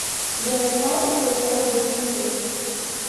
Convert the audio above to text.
Je n’ai pas eu le cœur de lui dire.